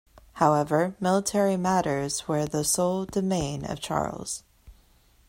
However, military matters were the sole domain of Charles.